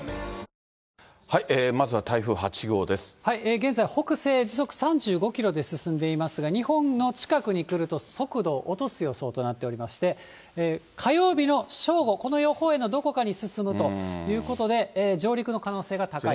現在、北西時速３５キロで進んでいますが、日本の近くに来ると速度を落とす予想となっていまして、火曜日の正午、この予報円のどこかに進むということで、上陸の可能性が高い。